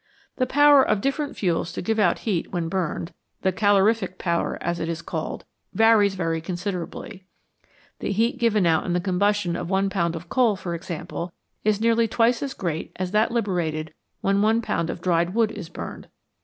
The power of different fuels to give out heat when burned the calorific power, as it is called varies very con siderably. The heat given out in the combustion of one pound of coal, for example, is nearly twice as great as that liberated when one pound of dried wood is burned.